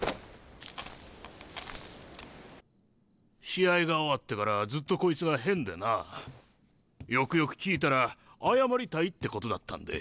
試合が終わってからずっとこいつが変でなよくよく聞いたら謝りたいってことだったんで。